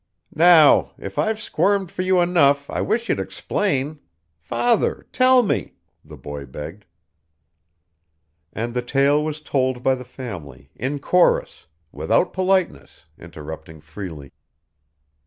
"Now, if I've squirmed for you enough, I wish you'd explain father, tell me!" the boy begged. And the tale was told by the family, in chorus, without politeness, interrupting freely.